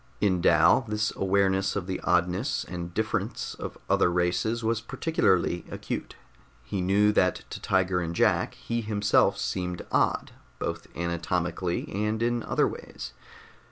In Dal this awareness of the oddness and difference of other races was particularly acute. He knew that to Tiger and Jack he himself seemed odd, both anatomically and in other ways.